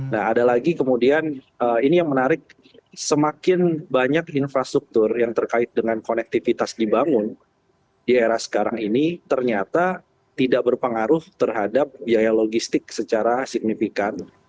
nah ada lagi kemudian ini yang menarik semakin banyak infrastruktur yang terkait dengan konektivitas dibangun di era sekarang ini ternyata tidak berpengaruh terhadap biaya logistik secara signifikan